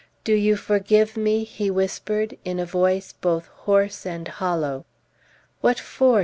"Do you forgive me?" he whispered, in a voice both hoarse and hollow. "What for?"